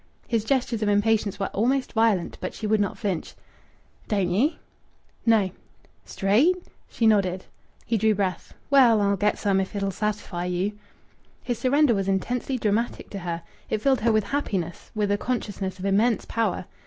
His gestures of impatience were almost violent; but she would not flinch. "Don't ye?" "No." "Straight?" She nodded. He drew breath. "Well, I'll get some if it'll satisfy you." His surrender was intensely dramatic to her. It filled her with happiness, with a consciousness of immense power.